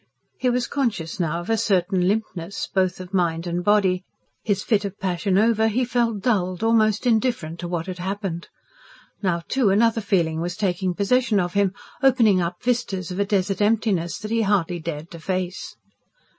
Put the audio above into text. He was conscious now of a certain limpness, both of mind and body; his fit of passion over, he felt dulled, almost indifferent to what had happened. Now, too, another feeling was taking possession of him, opening up vistas of a desert emptiness that he hardly dared to face.